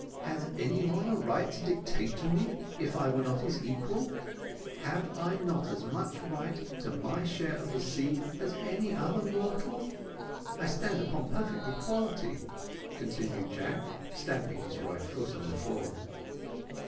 has any one a right to dictate to me as if I were not his equal? Have I not as much right to my share of the sea as any other mortal? I stand upon perfect equality," continued Jack, stamping his right foot on the floor.